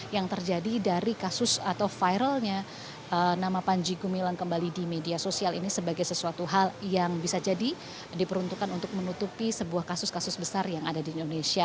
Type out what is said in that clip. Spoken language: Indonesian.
yang terjadi dari kasus atau viralnya nama panji gumilang kembali di media sosial ini sebagai sesuatu hal yang bisa jadi diperuntukkan untuk menutupi sebuah kasus kasus besar yang ada di indonesia